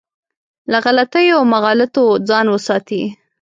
له غلطیو او مغالطو ځان وساتي.